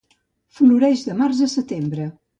Floreix de març a setembre.